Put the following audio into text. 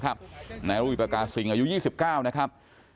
กำรวจก็ช่วยถาม